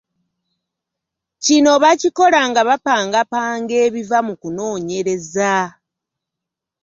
Kino bakikola nga bapangapanga ebiva mu kunoonyereza.